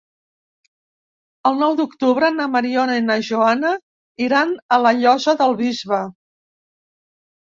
El nou d'octubre na Mariona i na Joana iran a la Llosa del Bisbe.